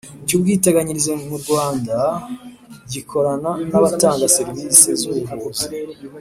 Cy ubwiteganyirize mu rwanda gikorana n abatanga serivisi z ubuvuzi